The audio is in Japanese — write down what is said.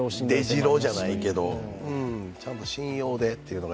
出城じゃないけど信用でというのが